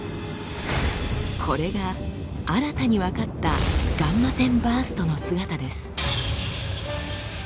これが新たに分かったガンマ線バーストの姿です。